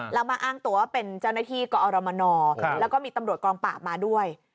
แล้วมาอ้างตัวว่าเป็นเจ้าหน้าที่กอรมนแล้วก็มีตำรวจกองปราบมาด้วย